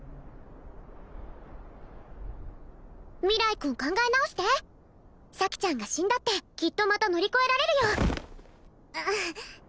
明日君考え直して咲ちゃんが死んだってきっとまた乗り越えられるよあっ